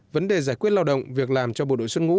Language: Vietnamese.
vấn đề giải quyết lao động việc làm cho bộ đội xuất ngũ